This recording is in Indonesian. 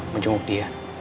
mau jenguk dia